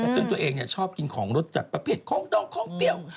ซึ่งตัวเองชอบกินของรสจัดประเภทของดงของเปรี้ยว